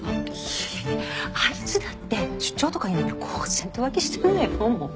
いやいやあいつだって出張とか言いながら公然と浮気してるのよどうも。